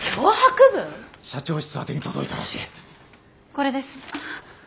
これです。